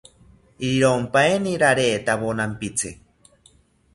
Riyompaeni raretawo nampitzi